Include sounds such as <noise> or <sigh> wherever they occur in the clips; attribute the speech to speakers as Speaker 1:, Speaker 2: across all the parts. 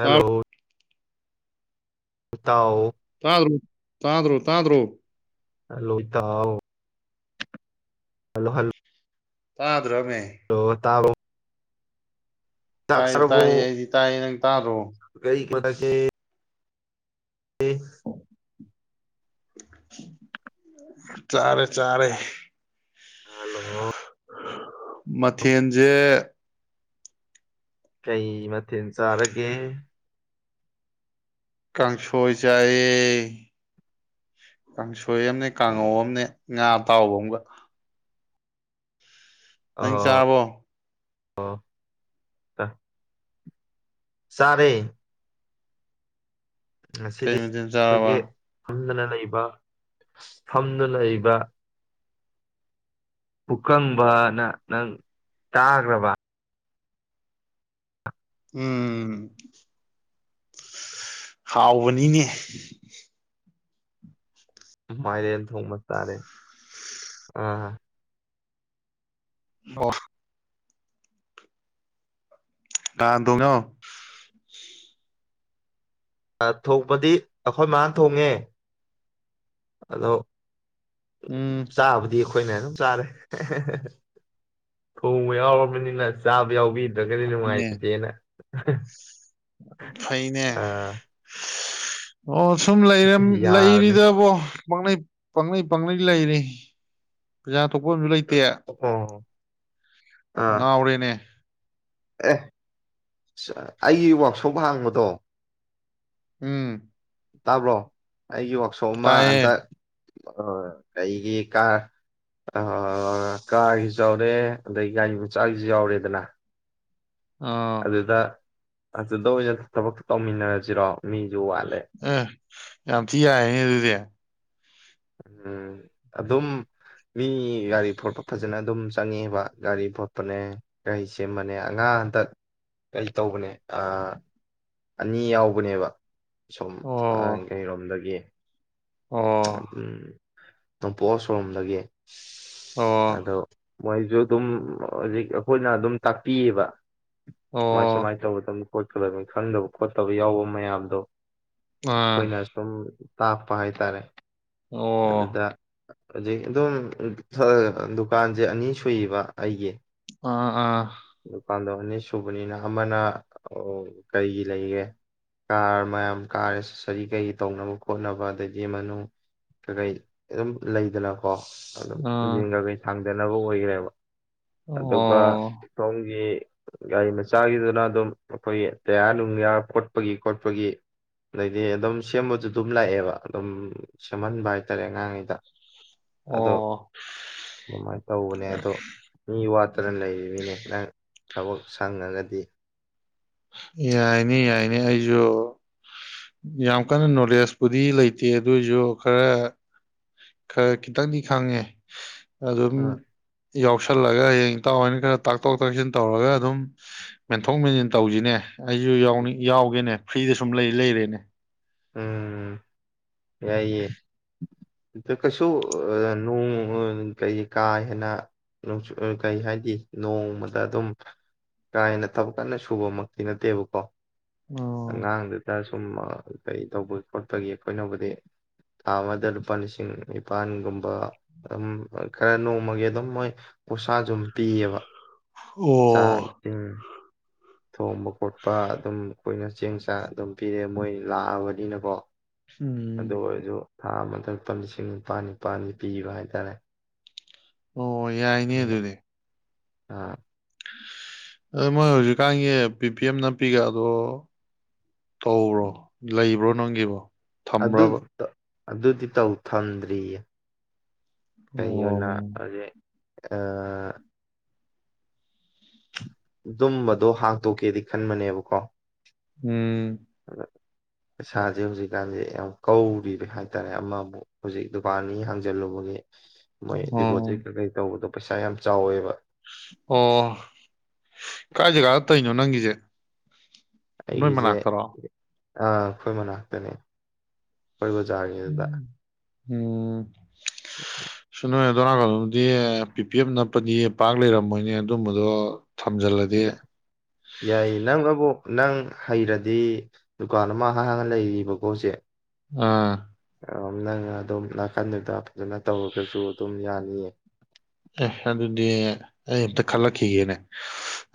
Speaker 1: ꯇꯥ
Speaker 2: ꯇꯑꯣ
Speaker 1: ꯇꯥꯗ꯭ꯔꯣ ꯇꯥꯗ꯭ꯔꯣ ꯇꯥꯗ꯭ꯔꯣ
Speaker 2: ꯍꯜꯂꯣ ꯏꯇꯥꯎ ꯍꯜꯂꯣ ꯍꯜꯂꯣ
Speaker 1: ꯇ
Speaker 2: ꯍ ꯇꯥꯕ
Speaker 1: ꯇꯥꯏꯌꯦ
Speaker 2: ꯆꯥꯔꯕꯣ
Speaker 1: ꯇꯥꯏ ꯍꯥꯏꯗꯤ ꯇꯥꯏ ꯅꯪ ꯇꯔꯨ
Speaker 2: ꯃꯗꯁꯤ ꯎꯝ
Speaker 1: ꯆꯔꯦ ꯆꯔꯦ
Speaker 2: ꯍꯜꯂꯣ
Speaker 1: ꯃꯊꯦꯟꯁꯦ
Speaker 2: ꯀꯩ ꯃ ꯊꯤꯟ ꯆꯥꯔꯒꯦ
Speaker 1: ꯀꯥꯡꯁꯣꯏ ꯆꯥꯏꯌꯦ ꯀꯥꯡꯁꯣꯏ ꯑꯅꯦ ꯀꯥꯡꯉꯧ ꯑꯅꯦ ꯉꯥ ꯑꯇꯥꯎꯕ ꯑꯃꯒ ꯅꯪ ꯆꯥꯕꯣ
Speaker 2: ꯑꯣ ꯆꯔꯦ
Speaker 1: ꯀꯩꯗꯤꯤꯟ ꯆꯥꯕ
Speaker 2: ꯑꯩꯈꯣꯏꯒꯤ ꯐꯝꯗꯅ ꯂꯩꯕ ꯐꯝꯗꯨꯅ ꯂꯩꯕ ꯄꯨꯀꯪꯕ ꯅ ꯅꯪ ꯇꯥꯈ꯭ꯔꯕ
Speaker 1: ꯎꯝ ꯍꯥꯎꯕꯅꯤꯅꯦ
Speaker 2: ꯃꯥꯏꯔꯦꯜ ꯊꯣꯡꯕ ꯇꯥꯔꯦ ꯑ
Speaker 1: ꯋꯥ ꯀꯥꯥꯟ ꯇꯣꯡꯉꯣ
Speaker 2: ꯊꯣꯡꯄꯗꯤ ꯑꯩꯈꯣꯏ ꯃꯥꯥꯟ ꯊꯣꯡꯉꯦ ꯍꯜꯂꯣ
Speaker 1: ꯎꯝ
Speaker 2: ꯆꯥꯕꯗꯤꯣ ꯑꯩꯈꯣꯏꯅ ꯑꯗꯨꯝ ꯆꯥꯔꯦ ꯊꯣꯡꯧꯕ ꯌꯥꯎꯔꯕꯅꯤꯅ ꯆꯥꯕ ꯌꯥꯎꯕꯤ ꯑꯗꯨꯒꯗꯤꯉꯥꯏꯇꯦꯅ <unintelligible>
Speaker 1: ꯐꯩꯅꯦ ꯑꯣ ꯁꯨꯝ
Speaker 2: ꯌꯥꯕꯅꯦ
Speaker 1: ꯂꯩꯔꯤꯗꯕꯣ ꯄꯥꯡꯅꯩ ꯄꯥꯡꯅꯩ ꯄꯥꯡꯅꯩ ꯂꯩꯔꯦꯖꯥ ꯊꯣꯛꯣꯛꯄ ꯑꯝꯨ ꯂꯩꯇꯦ
Speaker 2: ꯑꯣ ꯑꯥ
Speaker 1: ꯉ ꯍꯧꯔꯦꯅꯦ
Speaker 2: ꯑꯦ ꯑꯩꯒꯤ ꯋꯥꯛꯁꯣꯞ ꯍꯥꯡꯕꯗꯣ
Speaker 1: ꯎꯝ
Speaker 2: ꯇꯥꯕ꯭ꯔꯣ ꯑꯩꯒꯤ ꯋꯥ ꯁꯣꯃ ꯑꯇ
Speaker 1: ꯇꯥꯏꯌꯦ
Speaker 2: ꯑ ꯑꯩꯒꯤ ꯀꯥꯔ ꯀꯥꯔꯒꯤꯁꯨ ꯌꯥꯎꯔꯦ ꯑꯗꯗꯒꯤꯩ ꯒꯥꯔꯤ ꯃꯆꯥꯒꯤꯁꯨ ꯌꯥꯎꯔꯦꯗꯅ
Speaker 1: ꯑꯥ
Speaker 2: ꯑꯗꯨꯗ ꯑꯗꯨꯗ ꯑꯣꯏꯅ ꯊꯕꯛ ꯇꯧꯃꯤꯟꯅꯔꯁꯤꯔꯣ ꯃꯤ
Speaker 1: ꯑ ꯌꯥꯝ ꯊꯤ ꯌꯥꯏꯅꯦ ꯑꯗꯨꯗꯤ
Speaker 2: ꯎꯝ ꯑꯗꯨꯝ ꯃꯤ ꯉꯒꯥꯔꯤ ꯐꯣꯇꯣ ꯐ ꯐꯖꯅ ꯑꯗꯨꯝ ꯆꯪꯉꯕ ꯒꯥꯔꯤ ꯈꯣꯠꯄꯅꯦ ꯒꯥꯔꯤ ꯁꯦꯝꯕꯅꯦ ꯑꯉꯥꯡ ꯍꯟꯇꯛ ꯀꯩ ꯇꯧꯕꯅꯦ ꯑꯅꯤ ꯌꯥꯎꯕꯅꯦꯕ ꯁꯨꯝ
Speaker 1: ꯑꯣ
Speaker 2: ꯑꯩꯔꯣꯝꯗꯒꯤ ꯑ
Speaker 1: ꯑꯣ
Speaker 2: ꯅꯣꯡꯄꯣꯛ ꯁꯔꯨꯝꯝꯗꯒꯤ
Speaker 1: ꯑꯣ
Speaker 2: ꯑꯗꯣ ꯃꯣꯏꯁꯨ ꯑꯗꯨꯝ ꯍꯧꯖꯤꯛ ꯑꯩꯈꯣꯏꯅ ꯑꯗꯨꯝ ꯇꯥꯛꯄꯤꯌꯦꯕ ꯃꯥꯁ
Speaker 1: ꯑꯣ
Speaker 2: ꯃꯥꯥꯏ ꯂꯧꯕ ꯇ ꯈꯣꯠꯀꯂꯅꯤ ꯈꯟꯗꯕ ꯈꯣꯠꯇꯕ ꯌꯥꯎꯕ ꯃꯌꯥꯝꯗꯣ
Speaker 1: ꯑꯥ
Speaker 2: ꯑꯩꯈꯣꯏꯅ ꯁꯨꯝ ꯇꯥꯛꯄꯥ ꯍꯥꯏꯇꯥꯔꯦ
Speaker 1: ꯑꯣ
Speaker 2: ꯑꯗꯨꯗ ꯍꯧꯖꯤꯛ ꯑꯗꯨꯝ ꯗꯨꯀꯥꯟꯁꯦ ꯑꯅꯤ ꯁꯨꯏꯌꯦꯕ ꯑꯩꯒꯤ
Speaker 1: ꯑꯥ ꯑꯥ
Speaker 2: ꯗꯨꯀꯥꯟꯗꯣ ꯑꯅꯤ ꯁꯨꯕꯅꯤꯅ ꯑꯃꯅ ꯀꯩꯒꯤ ꯂꯩꯒꯦ ꯀꯥꯔ ꯃꯌꯥꯝ ꯀꯥꯔ ꯑꯦꯁꯁꯔꯤ ꯀꯩ ꯇꯧꯅꯕ ꯈꯣꯠꯅꯕ ꯑꯗꯩꯗꯒꯤ ꯃꯅꯨꯡ ꯀꯩꯀꯩ ꯑꯗꯨꯝ ꯂꯩꯗꯅ ꯑꯗꯨꯝ
Speaker 1: ꯑꯥ
Speaker 2: ꯏꯟꯖꯤꯟ ꯀꯩꯒꯩ ꯊꯥꯡ ꯀꯣ ꯅꯕꯨ ꯑꯣꯏꯈ꯭ꯔꯦꯕ ꯑꯗꯨꯒ
Speaker 1: ꯑꯣ
Speaker 2: ꯁꯣꯝꯒꯤ ꯒꯥꯔꯤ ꯃꯆꯥꯒꯤꯗꯨꯅ ꯑꯗꯨꯝ ꯑꯩꯈꯣꯏꯒꯤ ꯇꯌꯥꯔ ꯅꯨꯡ ꯌꯥꯔ ꯈꯣꯠꯄꯒꯤ ꯈꯣꯠꯄꯒꯤ ꯑꯗꯩꯗꯤ ꯑꯗꯨꯝ ꯁꯦꯝꯕꯁꯨ ꯑꯗꯨꯝ ꯂꯥꯛꯑꯦꯕ ꯑꯗꯨꯝ ꯁꯦꯝꯍꯟꯕ ꯍꯥꯏꯇꯥꯔꯦ ꯑꯉꯥꯡꯉꯩꯗ ꯑꯗꯣ
Speaker 1: ꯑꯣ
Speaker 2: ꯑꯗꯨꯃꯥꯏꯅ ꯇꯧꯕꯅꯦ ꯑꯗꯣ ꯃꯤ ꯋꯥꯠꯇꯅ ꯂꯩꯔꯦꯅꯦ ꯊꯕꯛ ꯁꯪꯉꯒꯗꯤ
Speaker 1: ꯌꯥꯏꯅꯤ ꯌꯥꯏꯅꯤ ꯑꯩꯁꯨ ꯌꯥꯝ ꯀꯟꯅ ꯅꯣꯂꯦꯖꯄꯨꯗꯤ ꯂꯩꯇꯦ ꯑꯗꯨꯏꯁꯨ ꯈꯔ ꯈꯔ ꯈꯤꯇꯪꯗꯤ ꯈꯪꯉꯦ ꯑꯗꯨꯝ
Speaker 2: ꯑ
Speaker 1: ꯌꯥꯎꯁꯜꯂꯒ ꯍꯌꯦꯡ ꯏꯇꯥꯎꯅ ꯈꯔ ꯇꯥꯛꯇꯣꯛ ꯇꯥꯛꯁꯤꯟ ꯇꯧꯔꯒ ꯑꯗꯨꯝ ꯃꯦꯟꯊꯣꯛ ꯃꯦꯟꯁꯤꯟ ꯇꯧꯁꯤꯅꯦ ꯑꯩꯁꯨ ꯌꯥꯎꯅꯤꯡ ꯌꯥꯎꯒꯦꯅꯦ ꯐ꯭ꯔꯤꯗ ꯁꯨꯝ ꯂꯩ ꯂꯩꯔꯦ <inaudible>
Speaker 2: ꯎꯝ ꯌꯥꯏꯌꯦꯦ ꯑ ꯀꯩꯁꯨ ꯅꯣꯡ ꯀꯩ ꯀꯥ ꯍꯦꯟꯅꯆ ꯀꯩ ꯍꯥꯏꯗꯤ ꯅꯣꯡꯃꯗ ꯑꯗꯨꯝ ꯀꯥ ꯍꯦꯟꯅ ꯊꯕꯛ ꯀꯟꯅ ꯁꯨꯕꯃꯛꯇꯤ ꯅꯠꯇꯦꯕꯀꯣ ꯑ
Speaker 1: ꯑꯣ
Speaker 2: ꯉꯥꯡꯗꯨꯇ ꯁꯨꯝ ꯀꯩ ꯇꯧꯕꯒꯤ ꯈꯣꯠꯄꯒꯤ ꯑꯩꯈꯣꯏꯅ ꯍꯥꯏꯗꯤ ꯊꯥ ꯑꯃꯗ ꯂꯨꯄꯥ ꯂꯤꯁꯤꯡ ꯅꯤꯄꯥꯜꯒꯨꯝꯕ ꯑꯗꯨꯝ ꯈꯔ ꯅꯣꯡꯃꯒꯤ ꯑꯗꯨꯝ ꯃꯣꯏ ꯈꯨꯁꯥꯁꯨ ꯑꯗꯨꯝ ꯄꯤꯌꯦꯕ
Speaker 1: ꯑꯣ
Speaker 2: ꯆꯥꯛ ꯎꯝ ꯊꯣꯡꯕ ꯈꯣꯠꯄ ꯑꯗꯨꯝ ꯑꯩꯈꯣꯏꯅ ꯆꯦꯡ ꯆꯥꯛ ꯑꯗꯨꯝ ꯄꯤꯔꯛꯑꯦ ꯃꯣꯏ ꯂꯥꯛꯑꯕꯅꯤꯅꯀꯣ
Speaker 1: ꯎꯝ
Speaker 2: ꯑꯗꯣ ꯑꯣꯏꯖꯨ ꯊꯥ ꯑꯃꯗ ꯂꯨꯄꯥ ꯂꯤꯁꯤꯡ ꯅꯤꯄꯥꯜ ꯅꯤꯄꯥꯜꯅꯤ ꯄꯤꯕ ꯍꯥꯏꯇꯥꯔꯦ
Speaker 1: ꯑꯣ ꯌꯥꯏꯅꯦ ꯑꯗꯨꯅꯦ
Speaker 2: ꯑꯥ
Speaker 1: ꯑ ꯃꯣꯏ ꯍꯧꯖꯤꯛꯀꯥꯟꯒꯤ ꯄꯤ ꯄꯤ ꯑꯦꯝ ꯅꯅꯥꯄꯤꯒꯗꯣ ꯇꯧꯕ꯭ꯔꯣ ꯂꯩꯕ꯭ꯔꯣ ꯅꯪꯒꯤꯕꯣ
Speaker 2: ꯑꯗꯨ
Speaker 1: ꯊꯝꯕ꯭ꯔꯕ
Speaker 2: ꯑꯗꯨꯗꯤ ꯇꯧ ꯊꯝꯗ꯭ꯔꯤꯌꯦ ꯀꯩꯅꯣ ꯑ
Speaker 1: ꯑꯣ
Speaker 2: ꯑꯗꯨꯨꯝꯝꯕꯗꯣ ꯍꯥꯡꯇꯣꯛꯀꯦꯗꯤ ꯈꯟꯕꯅꯦꯕꯀꯣ
Speaker 1: ꯎꯝ
Speaker 2: ꯄꯩꯁꯥꯁꯦ ꯍꯧꯖꯤꯛꯀꯥꯟꯖꯦ ꯌꯥꯝ ꯀꯧꯔꯤꯕ ꯍꯥꯏꯇꯥꯔꯦ ꯑꯃꯕꯨ ꯍꯧꯖꯤꯛ ꯗꯨꯀꯥꯟꯃꯤ ꯍꯥꯡꯖꯜꯂꯨꯕꯒꯤ ꯃꯣꯏ
Speaker 1: ꯑꯣ
Speaker 2: ꯗꯤꯕꯣꯆꯤꯠ ꯀꯩ ꯀꯩ ꯇꯧꯕꯗꯣ ꯄꯩꯁꯥ ꯌꯥꯝ ꯆꯥꯎꯋꯦꯕ
Speaker 1: ꯑꯣ ꯀꯥꯏ ꯖꯒꯥꯗ ꯇꯧꯏꯅꯣ ꯅꯪꯒꯤꯖꯦ
Speaker 2: ꯑꯩꯒꯤꯖꯦ ꯑꯥ ꯑꯩꯈꯣꯏ ꯃꯅꯥꯛꯇꯅꯤ ꯈꯣꯏ ꯕꯥꯖꯥꯔꯒꯤꯗꯨꯗ
Speaker 1: ꯑꯝ ꯅꯣꯏ ꯑꯗꯣꯝ ꯅꯥꯀꯜꯂꯣꯝꯗꯗꯤ ꯄꯤ ꯄꯤ ꯑꯦꯐ ꯅꯞꯄꯗꯤ ꯄꯥꯛ ꯂꯩꯔꯝꯃꯣꯏꯅꯦ ꯑꯗꯨꯝꯕꯗꯣ ꯊꯝꯖꯜꯂꯗꯤ
Speaker 2: ꯌꯥꯏꯌꯦ ꯅꯪ ꯅꯕꯨ ꯅꯪ ꯍꯩꯔꯗꯤ ꯗꯨꯀꯥꯟ ꯑꯃ ꯍꯥꯡ ꯍꯥꯡꯉꯥꯒ ꯂꯩꯔꯤꯕꯀꯣ ꯍꯧꯖꯤꯛ
Speaker 1: ꯑꯥ
Speaker 2: ꯑꯥ ꯅꯪꯅ ꯑꯗꯨꯝ ꯅꯥꯀꯟꯗꯨꯗ ꯐꯖꯅ ꯇꯧꯔꯒꯁꯨ ꯑꯗꯨꯝ ꯌꯥꯅꯤꯌꯦ
Speaker 1: ꯑꯦ ꯑꯗꯨꯗꯤ ꯑꯩ ꯑꯝꯇ ꯈꯜꯂꯛꯈꯤꯒꯦꯅꯦ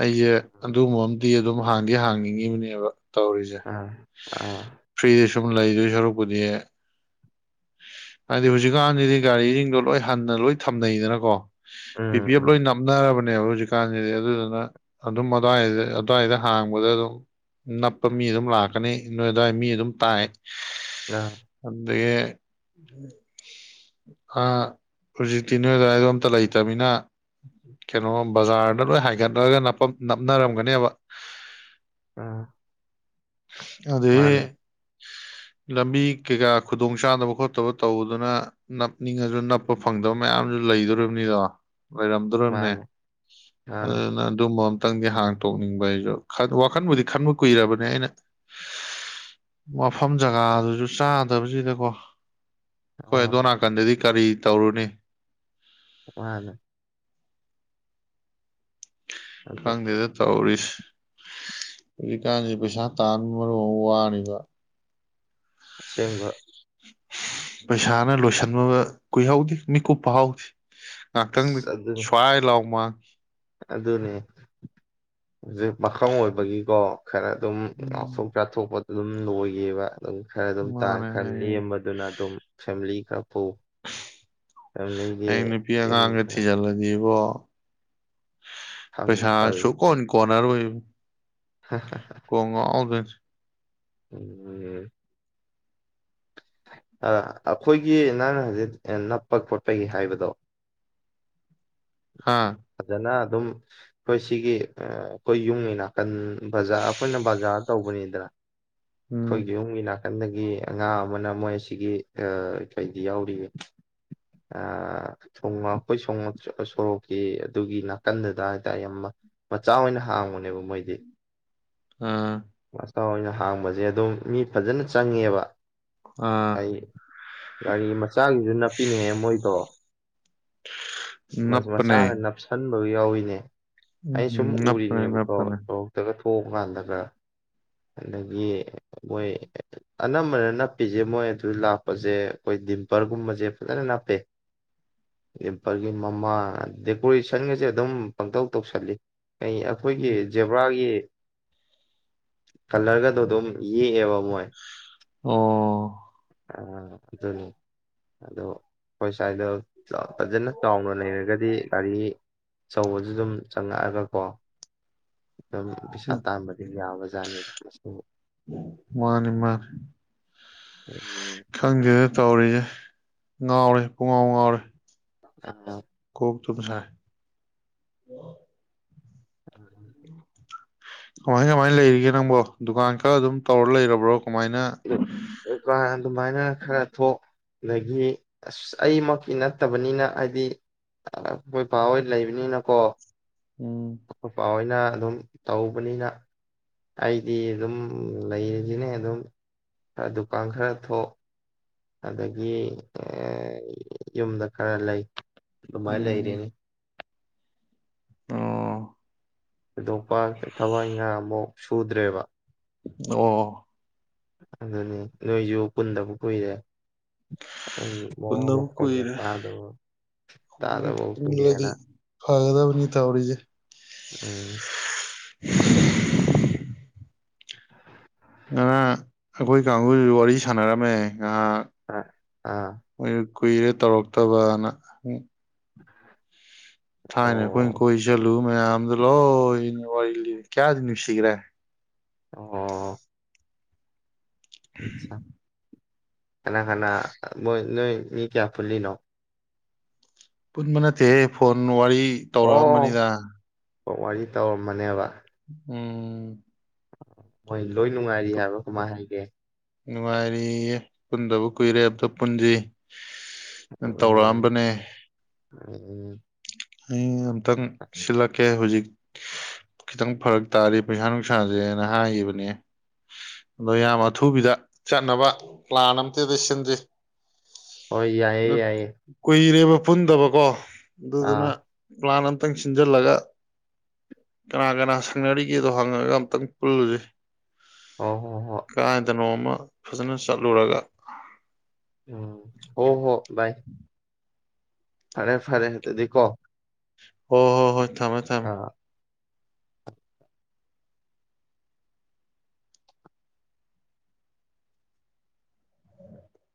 Speaker 1: ꯑꯩꯖꯦ ꯑꯗꯨꯒꯨꯝꯕꯃꯗꯤ ꯑꯗꯨꯝ ꯍꯥꯡꯗꯤ ꯍꯥꯡꯅꯤꯡꯉꯤꯕꯅꯦꯕ ꯇꯧꯔꯤꯁꯦ
Speaker 2: ꯑꯥ ꯑꯥ
Speaker 1: ꯐ꯭ꯔꯤ ꯁꯨꯝ ꯂꯩꯗꯣꯏ ꯁꯔꯨꯛꯄꯨꯗꯤ ꯍꯥꯏꯗꯤ ꯍꯧꯖꯤꯛꯀꯥꯟꯖꯤꯗꯤ ꯒꯥꯔꯤꯖꯤꯡꯗꯣ ꯂꯣꯏ ꯍꯟꯅ ꯂꯣꯏ ꯊꯝꯅꯩꯗꯅꯀꯣ ꯄꯤ
Speaker 2: ꯎꯝ
Speaker 1: ꯄꯤ ꯑꯦꯐ ꯂꯣꯏ
Speaker 2: ꯎꯝ
Speaker 1: ꯅꯥꯞꯅꯔꯕꯅꯦ ꯍꯧꯖꯤꯛꯀꯥꯟꯁꯤꯗꯤ ꯑꯗꯨꯗꯨꯅ ꯑꯗꯨꯝ ꯑꯗꯨꯋꯥꯏꯗ ꯑꯗꯨꯋꯥꯏꯗ ꯍꯥꯡꯕꯗ ꯑꯗꯨꯝ ꯅꯞꯄ ꯃꯤ ꯑꯗꯨꯝ ꯂꯥꯛꯀꯅꯤ ꯅꯣꯏ ꯑꯗꯨꯋꯥꯏ ꯃꯤ ꯑꯗꯨꯝ ꯇꯥꯏ
Speaker 2: ꯑꯥ
Speaker 1: ꯗꯒꯤ ꯑ ꯍꯧꯖꯤꯛꯇꯤ ꯅꯣꯏꯗꯋꯥꯏꯗꯣ ꯑꯝꯇ ꯂꯩꯇꯅꯤꯅ ꯀꯩꯅꯣ ꯕꯖꯥꯔꯗ ꯂꯣꯏ ꯍꯥꯏꯒꯠꯂꯒ ꯅꯞꯅꯔꯝꯒꯅꯤꯕ
Speaker 2: ꯑꯥ ꯃꯥꯅꯦ
Speaker 1: <unintelligible> ꯂꯝꯕꯤ ꯀꯩꯀꯥ ꯈꯨꯗꯣꯡ ꯆꯥꯗꯣꯕ ꯈꯣꯠꯇꯕ ꯇꯧꯗꯨꯅ ꯅꯞꯅꯤꯡꯉꯥꯁꯨ ꯅꯞꯄ ꯐꯪꯗꯕ ꯃꯌꯥꯝꯖꯨ ꯂꯩꯗꯣꯔꯤꯕꯅꯤꯗꯣ ꯑꯣꯏꯔꯝꯗꯔꯨꯝꯅꯦ
Speaker 2: ꯃꯥꯅꯦ ꯃꯥꯅꯦ
Speaker 1: ꯑꯗꯨꯅ ꯑꯗꯨꯝꯕ ꯈꯤꯇꯪꯗꯤ ꯍꯥꯡꯇꯣꯛꯅꯤꯡꯕ ꯑꯩꯁꯨ ꯋꯥꯈꯟꯕꯨꯗꯤ ꯈꯟꯕ ꯀꯨꯏꯔꯕꯅꯦ ꯑꯩꯅ ꯃꯐꯝ ꯖꯒꯥꯗꯨꯁꯨ ꯆꯥꯗꯕꯖꯤꯗꯀꯣ ꯍꯣꯏ
Speaker 2: ꯑꯣ
Speaker 1: ꯑꯗꯣꯟ ꯅꯀꯥꯟꯗꯗꯤ ꯀꯔꯤ ꯇꯧꯔꯨꯅꯤ
Speaker 2: ꯃꯥꯟꯅꯦ ꯑꯗꯨ
Speaker 1: ꯈꯪꯗꯦꯗ ꯇꯧꯔꯤ ꯍꯧꯖꯤꯛꯀꯥꯟꯖꯤ ꯄꯩꯁꯥ ꯇꯥꯟꯕꯅ ꯃꯔꯣꯟ ꯑꯃ ꯋꯥꯔꯤꯕ
Speaker 2: ꯑꯁꯦꯡꯕ
Speaker 1: ꯄꯩꯁꯥꯅ ꯂꯣꯏꯁꯤꯟꯕ ꯀꯨꯏꯍꯧꯗꯦ ꯃꯤꯀꯨꯞꯄ ꯐꯥꯍꯧꯗꯦ ꯉꯥꯛꯇꯪ
Speaker 2: ꯑꯁ ꯑꯗꯨ
Speaker 1: ꯁ꯭ꯋꯥꯏ ꯂꯥꯎ ꯃꯥ <unintelligible>
Speaker 2: ꯑꯗꯨꯅꯦ ꯍꯧꯖꯤꯛ ꯄꯥꯈꯥꯪ ꯑꯣꯏꯕꯒꯤꯀꯣ ꯈꯔ ꯑꯗꯨꯝ
Speaker 1: ꯎꯝ
Speaker 2: ꯉꯥꯎꯊꯣꯛ ꯆꯥꯊꯣꯛꯄ ꯑꯗꯨꯝ ꯂꯣꯏꯒꯤꯑꯦꯕ ꯑꯗꯨꯝ ꯈꯔ ꯑꯗꯨꯝ ꯇꯥ
Speaker 1: ꯃꯥꯅꯦ
Speaker 2: ꯈꯔ ꯂꯦꯝꯕꯗꯨꯅ ꯑꯗꯨꯝ ꯐꯦꯃꯤꯂꯤ ꯈꯔ ꯄꯨ ꯐꯦꯃꯤꯂꯤꯒꯤ
Speaker 1: ꯑ ꯅꯨꯄꯤ
Speaker 2: ꯌꯨꯝ
Speaker 1: ꯑꯉꯥꯡꯒ
Speaker 2: ꯈꯔ
Speaker 1: ꯊꯤꯖꯤꯜꯂꯗꯤ ꯏꯕꯣ
Speaker 2: ꯊꯝ
Speaker 1: ꯄꯩꯁꯥ ꯁꯨꯀꯣꯟ ꯀꯅꯔ ꯑꯣꯏ
Speaker 2: ꯍꯥꯍꯥ
Speaker 1: ꯀꯣꯛ ꯉꯥꯎꯗꯨꯅꯤ
Speaker 2: ꯎꯝ ꯑꯩꯈꯣꯏꯒꯤ ꯅꯪꯅ ꯍꯧꯖꯤꯛ ꯅꯞꯄ ꯈꯣꯠꯄꯒꯤ ꯍꯥꯏꯕꯗꯣ
Speaker 1: ꯍꯥ
Speaker 2: ꯐꯖꯅ ꯑꯗꯨꯝ ꯑꯩꯈꯣꯏ ꯁꯤꯒꯤ ꯑꯩꯈꯣꯏ ꯌꯨꯝꯒꯤ ꯅꯥꯀꯟ ꯕꯖꯥ ꯑꯩꯈꯣꯏꯅ b ꯇꯧꯕꯅꯤꯗ
Speaker 1: ꯎꯝ
Speaker 2: ꯑꯩꯈꯣꯏꯒꯤ ꯌꯨꯝꯒꯤ ꯅꯥ ꯅꯥꯀꯟꯗꯒꯤ ꯑꯉꯥ ꯑꯃꯅ ꯃꯣꯏ ꯑꯁꯤꯒꯤ ꯀꯩꯗꯤ ꯌꯥꯎꯔꯤ ꯑꯥ <unintelligible> ꯁꯣꯔꯣꯛꯀꯤ ꯑꯗꯨꯒꯤ ꯅꯥꯀꯟꯗꯨꯗ ꯍꯥꯏꯇꯥꯔꯦ ꯌꯥꯝ ꯃꯆꯥ ꯑꯣꯏꯅ ꯍꯥꯡꯕꯅꯦꯕ ꯃꯣꯏꯗꯤ
Speaker 1: ꯑꯥ
Speaker 2: ꯆꯥ ꯑꯣꯏꯅ ꯍꯥꯡꯕꯁꯦ ꯑꯗꯨꯝ ꯃꯤ ꯐꯖꯅ ꯆꯪꯉꯦꯕ
Speaker 1: ꯑꯥ
Speaker 2: ꯔꯥꯅꯤ ꯃꯁ ꯆꯥꯒꯤꯁꯨ ꯅꯞꯄꯤꯅꯦꯍꯦ ꯃꯣꯏꯗꯣ ꯃꯁ
Speaker 1: ꯅꯞꯄꯅꯦ
Speaker 2: ꯃꯁꯥꯅ ꯅꯞꯁꯟ ꯂꯣꯏ ꯌꯥꯎꯏꯅꯦ ꯑꯩ ꯁꯨꯝ
Speaker 1: ꯎꯝ ꯅꯞꯄꯅꯦ
Speaker 2: ꯎꯔꯤꯅꯦꯕꯀꯣ
Speaker 1: ꯅꯞꯄꯅꯦ
Speaker 2: ꯁꯣꯔꯣꯛꯇꯒ ꯊꯣꯛꯎ ꯀꯥꯟꯗꯒ ꯑꯗꯒꯤ ꯅꯣꯏ ꯑꯅꯝꯕꯅ ꯅꯞꯄꯤꯁꯦ ꯃꯣꯏ ꯑꯗꯨ ꯂꯥꯛꯄꯁꯦ ꯑꯩꯈꯣꯏ ꯗꯤꯝꯄꯔꯒꯨꯝꯕꯁꯦ ꯐꯖꯅ ꯅꯞꯄꯦ ꯗꯤꯝꯄꯔꯒꯤ ꯃꯃꯥꯡ ꯗꯦꯀꯣꯔꯦꯁꯟꯒꯁꯦ ꯑꯗꯨꯝ ꯄꯪꯇꯧ ꯇꯧꯁꯜꯂꯤ ꯀꯩ ꯑꯩꯈꯣꯏꯒꯤ ꯖꯦꯕ꯭ꯔꯥꯒꯤ ꯀꯂꯔꯒꯗꯣ ꯗꯨꯝ ꯌꯦꯛꯑꯦꯕ ꯃꯣꯏ
Speaker 1: ꯑꯣ
Speaker 2: ꯑꯥ ꯑꯗꯨꯅꯤ ꯑꯗꯣ ꯑꯩꯈꯣꯏ ꯁ꯭ꯋꯥꯏꯗ ꯐꯖꯅ ꯆꯥꯎꯅ ꯂꯩꯔꯒꯗꯤ ꯒꯥꯔꯤꯆꯧꯕꯁꯨ ꯑꯗꯨꯝ ꯆꯪꯉꯛꯑꯒꯀꯣ <unintelligible> ꯄꯁꯥ ꯇꯥꯟꯕ ꯌꯥꯕꯖꯥꯠꯅꯤꯗ ꯃꯥꯁꯨ
Speaker 1: ꯃꯥꯅꯤ ꯃꯥꯅꯤ
Speaker 2: ꯎꯝ
Speaker 1: ꯗ ꯇꯧꯔꯤꯁꯦ ꯉꯥꯎꯔꯦ ꯄꯨꯡꯉꯥꯎ ꯉꯥꯎꯔꯦ
Speaker 2: ꯑ <unintelligible>
Speaker 1: ꯀꯣꯛ ꯇꯨꯝ ꯁꯥꯏ
Speaker 2: ꯎꯝ <unintelligible>
Speaker 1: ꯀꯃꯥꯏ ꯀꯃꯥꯏꯅ ꯂꯩꯔꯤꯒꯦ ꯅꯪꯕꯣ ꯗꯨꯀꯥꯟ ꯈꯔ ꯑꯗꯨꯝ ꯇꯧꯔ ꯂꯩꯔꯕ꯭ꯔꯣ? ꯀꯃꯥꯏꯅ
Speaker 2: ꯍꯣ ꯚꯥꯏ ꯑꯗꯨꯃꯥꯏꯅ ꯈꯔ ꯊꯣꯛ ꯑꯗꯒꯤ ꯑꯁ ꯑꯩꯃꯛꯀꯤ ꯅꯠꯇꯕꯅꯤꯅ ꯍꯥꯏꯗꯤ ꯑꯩꯈꯣꯏ ꯄꯥ ꯍꯣꯏ ꯂꯩꯕꯅꯤꯅꯀꯣ꯫
Speaker 1: ꯎꯝ
Speaker 2: ꯑꯈꯣꯏ ꯄꯥ ꯍꯣꯏ ꯅ ꯑꯗꯨꯝ ꯇꯧꯕꯅꯤꯅ ꯑꯩꯗꯤ ꯑꯗꯨꯝ ꯂꯩꯔꯤꯁꯤꯅꯦ ꯑꯗꯨꯝ ꯈꯔ ꯗꯨꯀꯥꯟ ꯈꯔ ꯊꯣꯛ ꯑꯗꯒꯤ ꯌꯨꯝꯗ ꯈꯔ ꯂꯩ ꯑꯗꯨꯃꯥꯏ
Speaker 1: ꯎꯝ
Speaker 2: ꯂꯩꯔꯦꯅꯦ꯫
Speaker 1: ꯑꯣ
Speaker 2: ꯊꯣꯏꯗꯣꯛꯄ ꯊꯕꯛ ꯏꯡꯒꯥꯡ ꯑꯃꯨꯛ ꯁꯨꯗ꯭ꯔꯦꯕ꯫
Speaker 1: ꯑꯣ
Speaker 2: ꯑꯗꯨꯅꯤ ꯅꯣꯏꯁꯨ ꯄꯨꯟꯗꯕ ꯀꯨꯏꯔꯦ ꯃꯋꯥ
Speaker 1: ꯄꯨꯅꯗꯕ
Speaker 2: ꯃꯈꯣꯟꯒ
Speaker 1: ꯀꯨꯏꯔꯦ
Speaker 2: ꯇꯥꯗꯕ
Speaker 1: ꯑꯝꯇꯡ
Speaker 2: ꯇꯥꯗꯕ
Speaker 1: ꯄꯨꯜꯂꯗꯤ
Speaker 2: ꯀꯨꯏꯔꯦꯅ
Speaker 1: ꯐꯒꯗꯕꯅꯤ ꯇꯥꯥꯎꯔꯤꯖꯦ
Speaker 2: ꯎꯝ
Speaker 1: ꯉꯅꯥ ꯑꯩꯈꯣꯏ ꯀꯥꯡꯒꯨꯖꯨ ꯋꯥꯔꯤ ꯁꯥꯟꯅꯔꯝꯃꯦ ꯉꯥꯏꯍꯥꯛ
Speaker 2: ꯑ ꯑꯥ
Speaker 1: ꯃꯣꯏ ꯀꯨꯏꯔꯦ ꯇꯧꯔꯛꯇꯕꯅ ꯊꯥꯏꯅ ꯑꯩꯈꯣꯏꯅ
Speaker 2: ꯑꯣ
Speaker 1: ꯀꯣꯏ ꯆꯠꯂꯨ ꯃꯌꯥꯝꯗꯨ ꯂꯣꯏꯅ ꯋꯥꯔꯤ ꯂꯤꯔꯦ ꯀꯌꯥꯗꯤ ꯅꯨꯡꯁꯤꯒ꯭ꯔꯦ
Speaker 2: ꯑꯣ ꯑꯠꯁ ꯥ ꯀꯅꯥ ꯀꯅꯥ ꯃꯣꯏ ꯅꯣꯏ ꯃꯤ ꯀꯌꯥ ꯄꯨꯂꯤ ꯅꯣ
Speaker 1: ꯄꯨꯟꯕ ꯅꯠꯇꯦꯍꯦ ꯐꯣꯟ ꯋꯥꯔꯤ ꯇꯧꯔꯛꯑꯝꯕꯅꯤꯗ
Speaker 2: ꯑꯣ ꯋꯥꯔꯤ ꯇꯧꯔꯝꯃꯅꯦꯕ
Speaker 1: ꯎꯝ
Speaker 2: ꯍꯣꯏ ꯂꯣꯏ ꯅꯨꯡꯉꯥꯏꯔꯤ ꯍꯥꯏꯕ꯭ꯔꯥ ꯀꯃꯥꯏꯅ ꯍꯥꯏꯒꯦ
Speaker 1: ꯅꯨꯡꯉꯥꯏꯔꯤꯌꯦ ꯄꯨꯟꯗꯕ ꯀꯨꯏꯔꯦ ꯑꯝꯇ ꯄꯨꯟꯁꯤ ꯇꯧꯔꯛꯑꯝꯕꯅꯦ
Speaker 2: ꯑꯣ
Speaker 1: ꯑꯩ ꯑꯃꯇꯪ ꯁꯤꯜꯂꯛ ꯀꯦ ꯍꯧꯖꯤꯛ ꯈꯤꯇꯪ ꯐꯥꯔꯛ ꯇꯥꯔꯤ ꯄꯩꯁꯥ ꯅꯨꯡꯁꯥꯁꯦꯅ ꯍꯥꯏꯒꯤꯕꯅꯤ ꯃꯌꯥꯝ ꯑꯊꯨꯕꯤꯗ ꯆꯠꯅꯕ ꯄ꯭ꯂꯥꯟ ꯑꯝꯇꯗꯤ ꯁꯤꯟꯖꯤ꯫
Speaker 2: ꯍꯣꯏ ꯌꯥꯏꯌꯦ
Speaker 1: ꯑ
Speaker 2: ꯌꯥꯏꯌꯦ
Speaker 1: ꯀꯨꯏ ꯔꯦꯕ ꯄꯨꯨꯟꯗꯕꯀꯣ ꯑꯗꯨ ꯗꯨꯅ
Speaker 2: ꯑꯥ
Speaker 1: ꯄ꯭ꯂꯥꯟ ꯑꯝꯇꯪ ꯁꯤꯟꯖꯜꯂꯒ ꯀꯅꯥ ꯀꯅꯥ ꯁꯪꯅꯔꯤꯒꯦꯗꯣ ꯍꯪꯉꯒ ꯑꯝꯇꯪ ꯄꯨꯜꯂꯨꯖꯤ
Speaker 2: ꯍꫭ ꯍꫭ ꯍꫭ
Speaker 1: ꯑꯃ ꯐꯖꯅ ꯆꯠꯂꯨꯔꯒ
Speaker 2: ꯕꯥꯏ ꯐꯔꯦ ꯐꯔꯦ ꯑꯗꯨꯗꯤ ꯀꯣ
Speaker 1: ꯍꫭ ꯍꯣ ꯍꯣꯏ ꯊꯝꯃꫭ ꯊꯝꯃꫭ